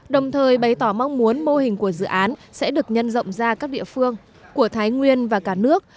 đồng thời bày tỏ mong muốn mô hình của dự án sẽ được nhân rộng ra các địa phương của thái nguyên và cả nước